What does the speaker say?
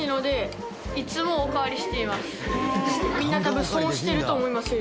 みんな多分損してると思いますよ